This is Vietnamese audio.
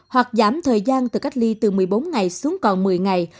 hoặc giảm thời gian từ cách ly từ một mươi bốn ngày xuống còn một mươi ngày